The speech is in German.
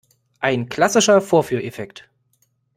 Ein klassischer Vorführeffekt!